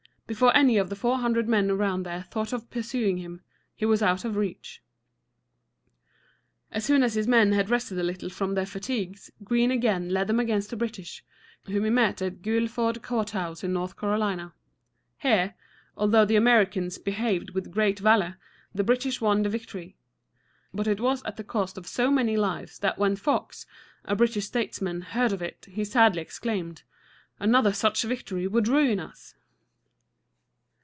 Before any of the four hundred men around there thought of pursuing him, he was out of reach. As soon as his men had rested a little from their fatigues, Greene again led them against the British, whom he met at Guil´ford Courthouse in North Carolina. Here, although the Americans behaved with great valor, the British won the victory. But it was at the cost of so many lives that when Fox, a British statesman, heard of it, he sadly exclaimed: "Another such victory would ruin us!"